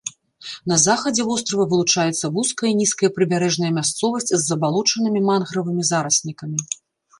На захадзе вострава вылучаецца вузкая нізкая прыбярэжная мясцовасць з забалочанымі мангравымі зараснікамі.